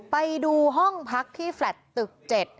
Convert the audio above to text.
ไปดูห้องพักที่แฟลตตึก๗